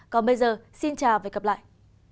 còn bây giờ xin chào và hẹn gặp lại